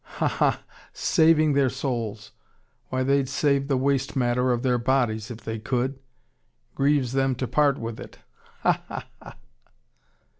Ha ha! Saving their souls! Why they'd save the waste matter of their bodies if they could. Grieves them to part with it. Ha! ha! ha!"